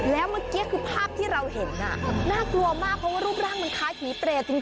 แล้วเมื่อกี้คือภาพที่เราเห็นน่ากลัวมากเพราะว่ารูปร่างมันคล้ายผีเปรตจริง